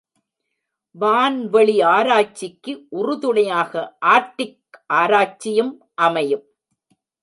வான்வெளி ஆராய்ச்சிக்கு உறுதுணையாக ஆர்க்டிக் ஆராய்ச்சியும் அமையும்.